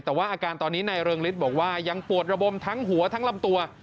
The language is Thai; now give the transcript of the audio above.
แต่ว่าอาการตอนนี้นายเริงฤทธิ์บอกว่ายังปวดระบมทั้งหัวทั้งลำตัว